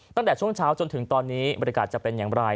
ตั้งแต่ช่วงเช้าจนถึงตอนนี้บริการจะเป็นอย่างไร